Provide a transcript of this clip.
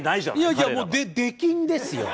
いやいやもう出禁ですよ。